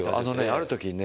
ある時ね